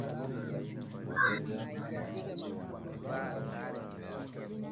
Magonjwa yanayosababisha kuhara au mharo hatari wa muda mrefu